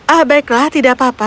ah baiklah tidak apa apa